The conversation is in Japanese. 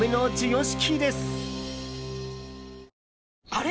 あれ？